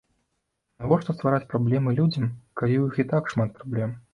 Навошта ствараць праблемы людзям, калі ў іх і так шмат праблем?